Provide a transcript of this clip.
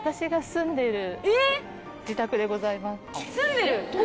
住んでる。